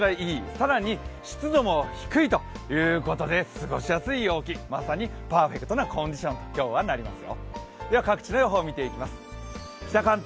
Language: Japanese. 更に湿度も低いということで過ごしやすい陽気、まさにまさにパーフェトなコンディションということになりそうです。